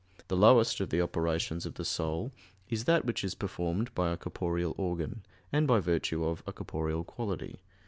The lowest of the operations of the soul is that which is performed by a corporeal organ, and by virtue of a corporeal quality.